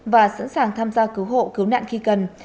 và sẵn sàng tham gia cứu hộ cứu nạn khi cần